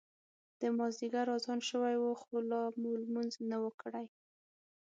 د مازیګر اذان شوی و خو لا مو لمونځ نه و کړی.